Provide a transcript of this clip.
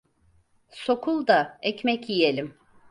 Sokul da ekmek yiyelim!